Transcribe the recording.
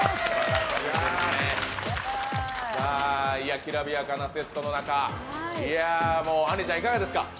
きらびやかなセットの中あんりちゃん、いかがですか？